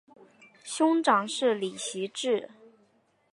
兄长是李袭志。